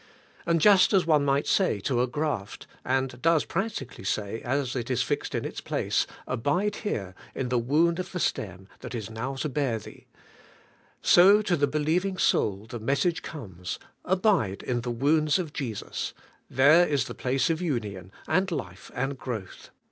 And just as one might say to a graft, and does practically say as it is fixed in its place, 'Abide here in the wound of the stem, that is now to bear thee;' so to the believ ing soul the message comes, 'Abide in the wounds of Jesus; there is the place of union, and life, and growth.